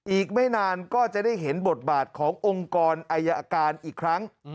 อีกไม่นานก็จะได้เห็นบทบาทขององค์กรอายการอีกครั้ง